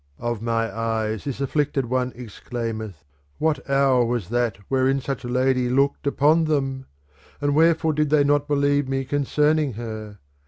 Of my eyes this afflicted one exclaimeth :' What hour was that wherein such lady looked upon them ! and wherefore did they not believe me concerning her?